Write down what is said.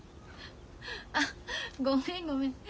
あごめんごめん。